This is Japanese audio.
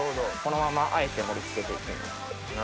このままあえて盛り付けて行きます。